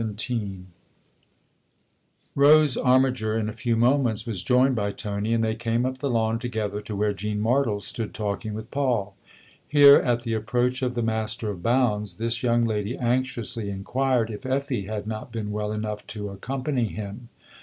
XVII ROSE ARMIGER, in a few moments, was joined by Tony, and they came up the lawn together to where Jean Martle stood talking with Paul. Here, at the approach of the master of Bounds, this young lady anxiously inquired if Effie had not been well enough to accompany him.